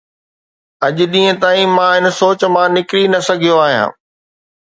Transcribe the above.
اڄ ڏينهن تائين مان ان سوچ مان نڪري نه سگهيو آهيان.